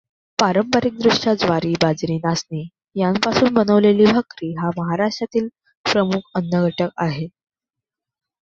पारंपरिकदृष्ट्या ज्वारी बाजरी नाचणी यांपासून बनवलेली भाकरी हा महाराष्ट्रातील प्रमुख अन्नघटक आहे.